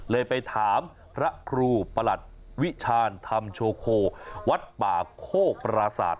ไปถามพระครูประหลัดวิชาณธรรมโชโควัดป่าโคกปราศาสตร์